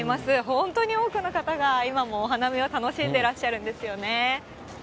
本当に多くの方が、今もお花見を楽しんでらっしゃるんですよね。